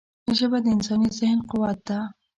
ژبه د انساني ذهن قوت ده